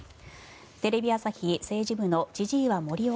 テレビ朝日政治部の千々岩森生